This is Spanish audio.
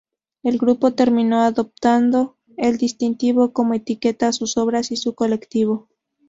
El grupo terminó adoptando el distintivo, como etiqueta a sus obras y su colectivo.